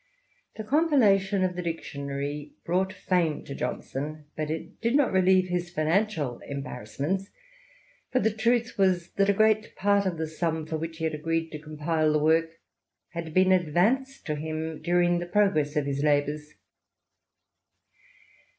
The compilation of the Dictionary brought fame to Johnson, but it did not relieve his financial embarrassments ; for the truth was, that a great part of the sum for which he had agreed to compile the work had been advanced to him diu ing the progress of his labours.